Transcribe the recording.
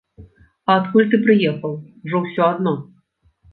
А адкуль ты прыехаў, ужо ўсё адно.